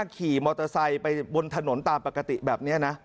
ขี่มอเตอร์ไซค์ไปบนถนนตามปกติแบบนี้นะ